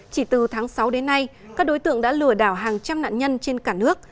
chỉ từ tháng sáu đến nay các đối tượng đã lừa đảo hàng trăm nạn nhân trên cả nước